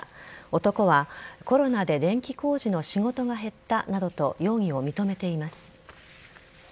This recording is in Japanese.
男はコロナで電気工事の仕事が減ったなどと容疑を認めています。